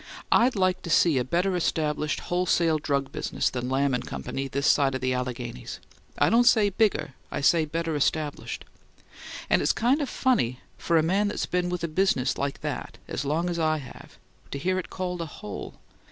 I'd like to see a better established wholesale drug business than Lamb and Company this side the Alleghanies I don't say bigger, I say better established and it's kind of funny for a man that's been with a business like that as long as I have to hear it called a 'hole.'